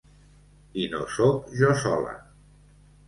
I no sóc jo sola.